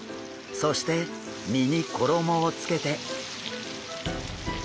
そして身に衣をつけて。